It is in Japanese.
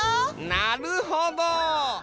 なるほど！